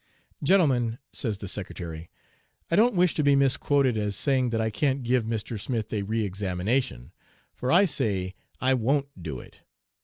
'Gentlemen,' says the secretary, 'I don't wish to be misquoted as saying that I can't give Mr. Smith a re examination, for I say I won't do it.'